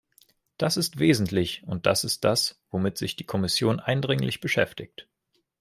Das ist wesentlich und das ist das, womit sich die Kommission eindringlich beschäftigt.